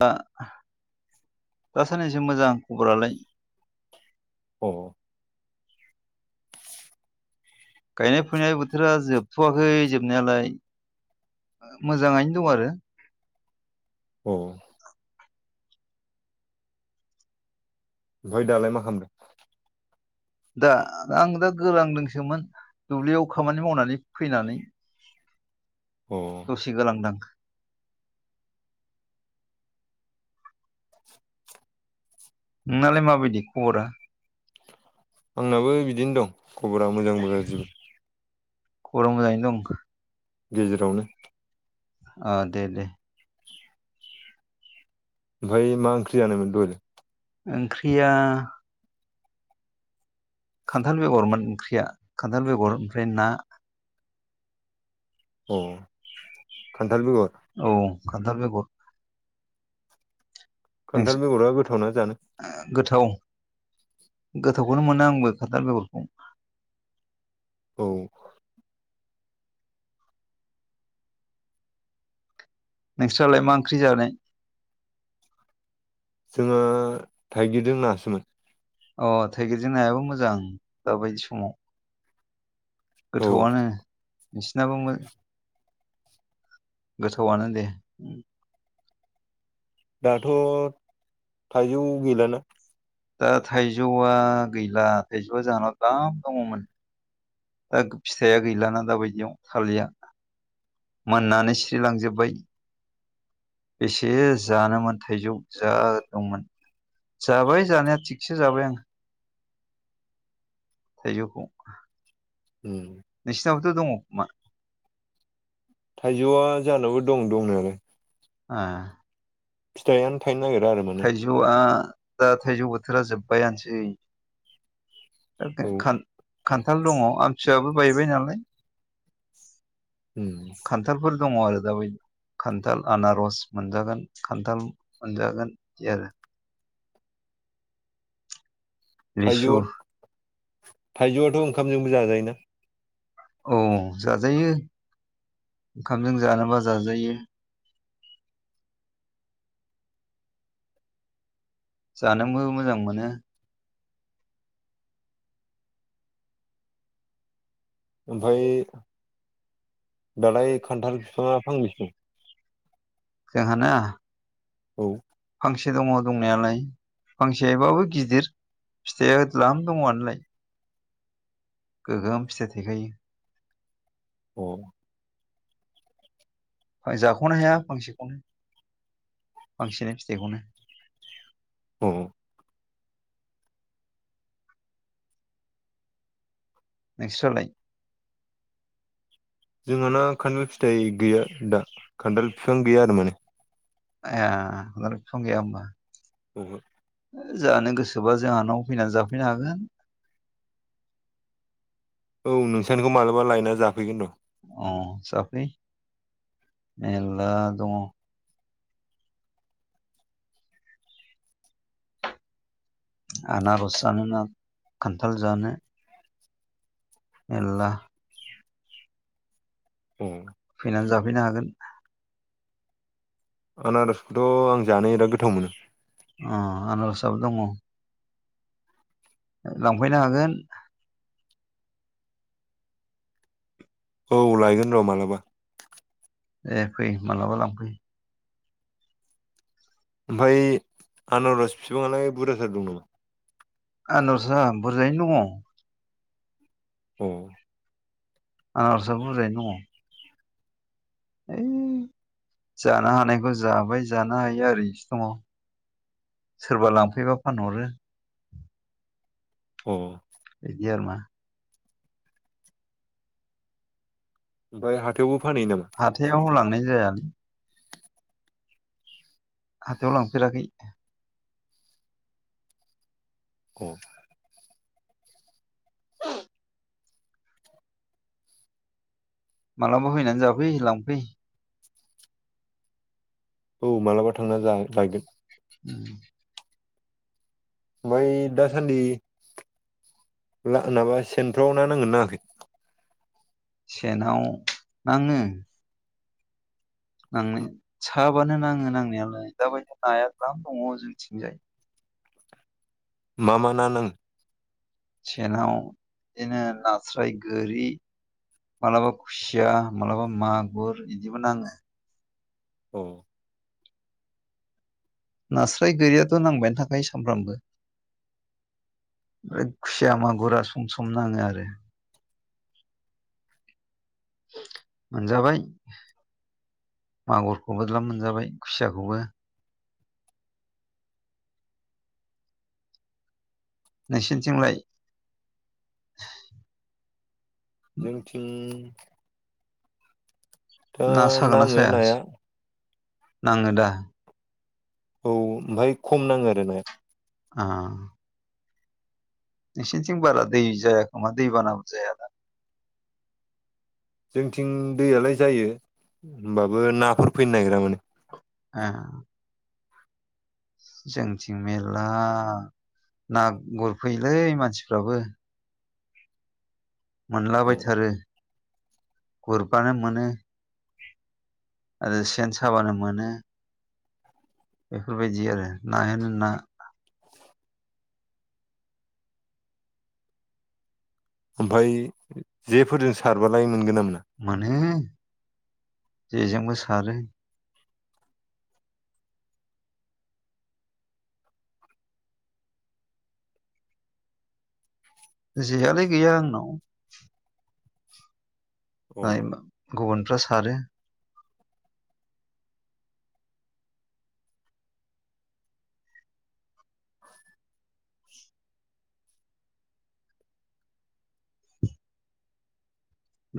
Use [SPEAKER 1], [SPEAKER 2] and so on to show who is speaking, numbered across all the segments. [SPEAKER 1] दा दासान्नैसो मोजां खबरालाय
[SPEAKER 2] अ
[SPEAKER 1] गायनाय फुनाय बोथोरा जोबथ'वाखै जोबनायालाय मोजाङैनो दं आरो
[SPEAKER 2] औ ओमफ्राय दालाय मा खालामदों?
[SPEAKER 1] दा आं दा गोरांदोंसोमोन दुब्लियाव खामानि मावनानै फैनानै
[SPEAKER 2] अ
[SPEAKER 1] दसे गोलांदां नोंनालाय माबायदि खबरा
[SPEAKER 2] आंनाबो बिदिनो दं खबरा मोजांबो गाज्रिबो
[SPEAKER 1] खबरा मोजाङैनो दं
[SPEAKER 2] गेजेरावनो
[SPEAKER 1] अ दे-दे
[SPEAKER 2] ओमफ्राय मा ओंख्रि जानायमोन दहायलाय
[SPEAKER 1] ओंख्रिया खान्थाल बेगरमोन ओंख्रिया खान्थाल बेगर ओमफ्राय ना
[SPEAKER 2] अ खान्थाल बेगर
[SPEAKER 1] औ खान्थाल बेगर
[SPEAKER 2] खान्थाल बेगरा गोथावना जानो
[SPEAKER 1] ओ गोथाव गोथावखौनो मोनो आंबो खान्थाल बेगरखौ
[SPEAKER 2] औ
[SPEAKER 1] नोंस्रालाय मा ओंख्रि जानाय
[SPEAKER 2] जोङो थाइगिरजों नासोमोन
[SPEAKER 1] अ थाइगिरजों नायाबो मोजां दाबायदि समाव
[SPEAKER 2] औ
[SPEAKER 1] गोथावआनो नोंसिनाबो मो गोथावआनो दे
[SPEAKER 2] दाथ' थाइजौ गैलानो
[SPEAKER 1] दा थाइजौआ गैला थाइजौआ जाहोनाव दाल्लाम दंङमोन दा फिथाया गैलाना दाबायदियाव थालिया मोननानै सिरिलांजोब्बाय बेसे जानोमोन थाइजौ जा दंमोन जाबाय जानाया थिगसे जाबाय आं थायजौखौ
[SPEAKER 2] उम
[SPEAKER 1] नोंसिनावबोथ' दंङो खोमा
[SPEAKER 2] थाइजौआ जानावबो दं दंनायालाय
[SPEAKER 1] आ
[SPEAKER 2] फिथायानो थायनो नागिरा आरो माने
[SPEAKER 1] थाइजौआ दा थाइजौ बोथोरा जोब्बायानोसै
[SPEAKER 2] औ
[SPEAKER 1] खान्थाल दंङो आमथि सुवायाबो बायबाय नालाय
[SPEAKER 2] उम
[SPEAKER 1] खान्थालफोर दंङो आरो दा बे खान्थाल आनारस मोनजागोन खान्थाल मोनजागोन जि आरो
[SPEAKER 2] थाइजौआ
[SPEAKER 1] लिसु
[SPEAKER 2] थाइजौआथ' ओंखामजोंबो जाजायोना
[SPEAKER 1] औ जाजायो ओंखामजों जानोबा जाजायो जानोबो मोजां मोनो
[SPEAKER 2] ओमफ्राय दालाय खान्थाल बिफां फांबैसे दं
[SPEAKER 1] जोंहाना
[SPEAKER 2] औ
[SPEAKER 1] फांसे दंङो दंनायालाय फांसेबाबो गिदिर फिथाया दाल्लाम दंङोलाय गोगोम फिथाइ थायखायो
[SPEAKER 2] औ
[SPEAKER 1] [unintelligible] जाख'नो हाया फांसेखौनो फांसेनो फिथाइखौनो
[SPEAKER 2] अ
[SPEAKER 1] नोंसोरालाय
[SPEAKER 2] जोंहाना खान्थाल फिथाइ गैया दा खान्थाल बिफां गैया आरो माने
[SPEAKER 1] ए खानथाल बिफां गैया होनबा
[SPEAKER 2] हो
[SPEAKER 1] जानो गोसोबा जोंहा न'आव फैनानै जाफैनो हागोन
[SPEAKER 2] औ नोंसानिखौ मालाबा लायना जाफैगोन र'
[SPEAKER 1] अ जाफै मेर्ला दंङो आनारस जानो ना खान्थाल जानो मेरला
[SPEAKER 2] ए
[SPEAKER 1] फैनानै जाफैनो हागोन
[SPEAKER 2] आनारसखौथ' आं जानो बिराद गोथाव मोनो
[SPEAKER 1] अ आनारसाबो दंङो लांफैनो हागोन
[SPEAKER 2] औ लायगोन र' मालाबा
[SPEAKER 1] दे फै मालाबा लांफै
[SPEAKER 2] ओमफ्राय आनारस बिफाङालाय बुरजाथार दं नामा
[SPEAKER 1] आनारसा बुरजायैनो दंङो
[SPEAKER 2] अ
[SPEAKER 1] आनारसा बुरजायैनो दंङो ओइ जानो हानायखौ जाबाय जानो हायिया ओरैनोसो दंङो सोरबा लांफैबा फानहरो
[SPEAKER 2] औ
[SPEAKER 1] इदि आरोना
[SPEAKER 2] ओमफ्राय हाथायावबो फानहैयो नामा
[SPEAKER 1] हाथायाव लांनाय जायानो हाथायाव लांफेराखै
[SPEAKER 2] औ
[SPEAKER 1] मालाबा फैनानै जाफै लांफै
[SPEAKER 2] औ मालाबा थांना लायगोन
[SPEAKER 1] उम
[SPEAKER 2] ओमफ्राय दासानदि माबा सेनफ्राव ना नांगोन‌ ना नाङाखै
[SPEAKER 1] सेनाव नाङो नाङो साबानो नाङो नांनायालाय दाबायदि नाया गोबां दङ जोंनिथिंजाय
[SPEAKER 2] मा मा ना नाङो
[SPEAKER 1] सेनाव बिदिनो नास्राय गोरि मालाबा खुसिया मालाबा मागुर बिदिबो नाङो
[SPEAKER 2] औ
[SPEAKER 1] नास्राय गोरियाथ' नांबायानो थाखायो सामफ्रामबो ओमफ्राय खुसिया मागुरा सम सम नाङो आरो मोनजाबाय मागुरखौबो मेल्ला मोनजाबाय खुसियाखौबो नोंसिनिथिंलाय
[SPEAKER 2] जोंनिथिं
[SPEAKER 1] ना सागोन ना
[SPEAKER 2] नाङो
[SPEAKER 1] साया
[SPEAKER 2] नाया
[SPEAKER 1] नाङो दा
[SPEAKER 2] औ ओमफ्राय खम नाङो आरो नाया
[SPEAKER 1] आ नोंसिनिथिं बारा दै जायाखोमा दै बानाबो जाया ना
[SPEAKER 2] जोंथिं दैयालाय जायो होमबाबो नाफोर फैनो नागिरा माने
[SPEAKER 1] आ जोंथिं मेरला ना गुरफैलै मानसिफ्राबो
[SPEAKER 2] अ
[SPEAKER 1] मोनलाबायथारो गुरबानो मोनो। आरो सेन साबानो मोनो। बेफोर बायदि आरो नायानो ना।
[SPEAKER 2] ओमफाय जेफोरजों सारबालाय मोनगोन ना मोना?
[SPEAKER 1] मोनो जेजोंबो सारो। जेयालाय गैया आंनाव।
[SPEAKER 2] अ
[SPEAKER 1] मालाय गुबुनफ्रा सारो
[SPEAKER 2] [inaudible]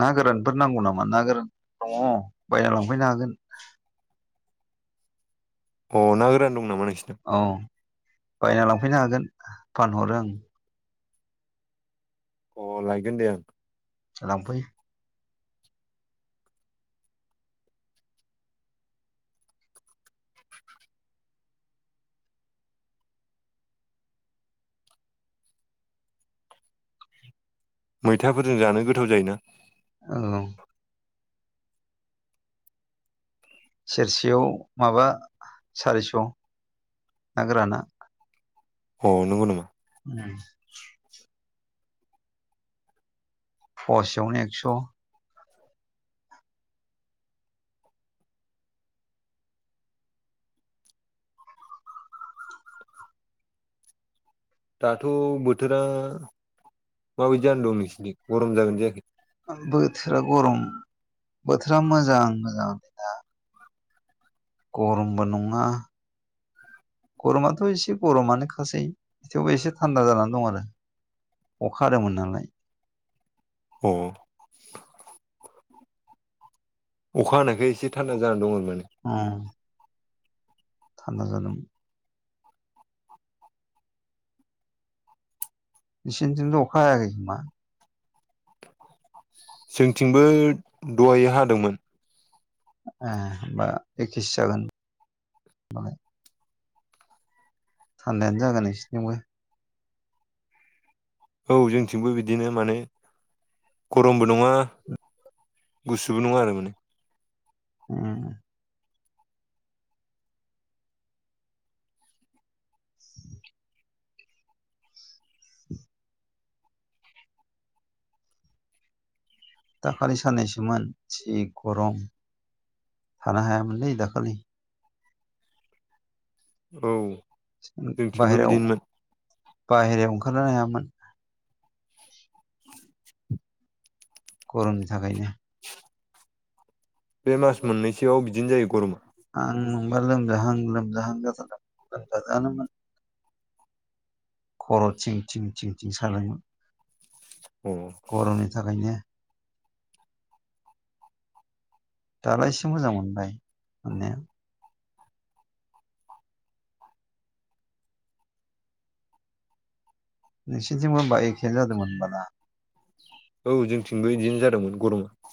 [SPEAKER 1] ना गोरानफोर नांगौ नामा ना गोरान दङ' बायना लांफैनो हागोन।
[SPEAKER 2] अ ना गोरान दंङ' नामा नोंसिनाव?
[SPEAKER 1] अ बायना लांफैनो हागोन फानहरो आं।
[SPEAKER 2] अ लायगोन दे आं।
[SPEAKER 1] ओ लांफै
[SPEAKER 2] मैथाफोरजों जानो गोथाव जायोना?
[SPEAKER 1] औ सेरसेयाव माबा सारिस' ना गोराना।
[SPEAKER 2] अ नंगौ नामा?
[SPEAKER 1] ओम पवासेयावनो एक्स'।
[SPEAKER 2] दाथ' बोथोरा माबायदि जाना दं नोंसोरनि गरम जागोन जायाखै?
[SPEAKER 1] ओ बोथोरा गरम बोथोरा मोजां मोजाङानो गरमबो नङा गरमाथ' एसे गरमानोखासै थेवबो एसे थानदा जानानै दं आरो। अखा हादोंमोन नालाय।
[SPEAKER 2] अ अखा हानायखाय एसे थान्दा जानानै दंमोन आरो नोंथां।
[SPEAKER 1] अ थानदा जादों। निसिनिथिंथ' अखा हायाखै खोमा?
[SPEAKER 2] जोंथिंबो दहायो हादोंमोन।
[SPEAKER 1] ए होमबा एकेसो जागोन बालाय। थान्दायानो जागोन नोंसिथिंबो।
[SPEAKER 2] औ जोंथिंबो बिदिनो माने गरमबो नङा गुसुबो नङा आरो माने।
[SPEAKER 1] ओम दाखालि साननैसोमोन जि गरम थानो हायामोनलै दाखालि।
[SPEAKER 2] औ जोंथिंबो
[SPEAKER 1] बाहेराव
[SPEAKER 2] बिदिनोमोन
[SPEAKER 1] बाहेरायाव ओंखारनोनो हायामोन। गर'मनि थाखायनो।
[SPEAKER 2] बे मास मोननैसोआव बिदिनो जायो गरमा।
[SPEAKER 1] आं मोनबा लोमजाहां लोमजाहां जाथारदोंमोनलोमजादोङानोमोन। खर' थिं थिं थिं थिं सानायमोन।
[SPEAKER 2] औ
[SPEAKER 1] गर'मनि थाखायनो दालाय एसे मोजां मोनबाय मोननाया। नोंसिथिंबोबा एखेयानो जादोंमोन होनबा ना?
[SPEAKER 2] औ जोंथिंबो बिदिनो जादोंमोन गरमा।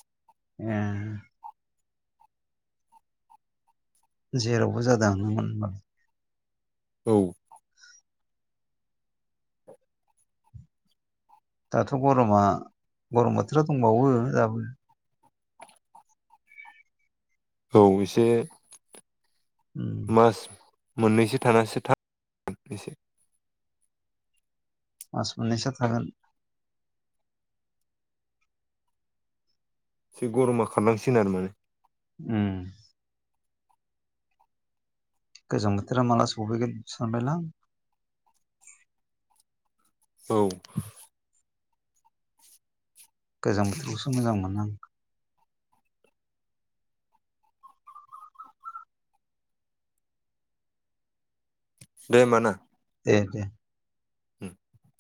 [SPEAKER 1] उम जेरावबो जादों आङोमोन होनबालाय
[SPEAKER 2] औ।
[SPEAKER 1] दाथ' गरमा गरम बोथोराव दंबावो दाबो।
[SPEAKER 2] औ एसे
[SPEAKER 1] उम
[SPEAKER 2] मास मोननैसो थानासो एसे
[SPEAKER 1] मास मोननैसो थागोन।
[SPEAKER 2] एसे गरमा खारलांसिन आरो माने
[SPEAKER 1] उम गोजां बोथोरा माला सफैगोन सानबायलां।
[SPEAKER 2] औ
[SPEAKER 1] गोजां बोथोरखौसो मोजां मोनो आं
[SPEAKER 2] दे होमबा ना।
[SPEAKER 1] दे दे
[SPEAKER 2] [inaudible]